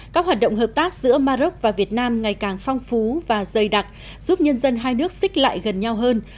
các hoạt động hợp tác giữa maroc và việt nam ngày càng phong phú và dày đặc giúp nhân dân hai nước xích lại gần nhau hơn